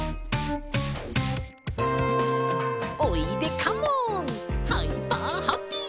「おいでカモンハイパーハッピー」